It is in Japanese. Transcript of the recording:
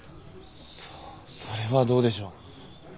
さあそれはどうでしょう？